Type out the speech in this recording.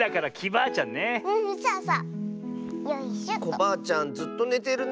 コバアちゃんずっとねてるね。